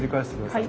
はい。